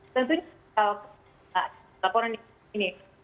tentunya laporan ini